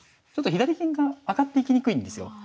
ちょっと左銀が上がっていきにくいんですよ。